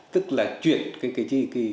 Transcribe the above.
tức là chuyển cái gì